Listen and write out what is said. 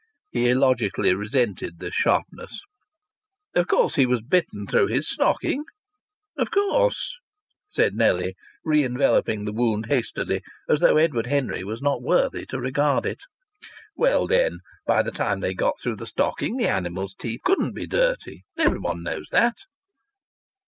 He illogically resented this sharpness. "Of course he was bitten through his stocking?" "Of course," said Nellie, re enveloping the wound hastily, as though Edward Henry was not worthy to regard it. "Well, then, by the time they got through the stocking the animal's teeth couldn't be dirty. Everyone knows that."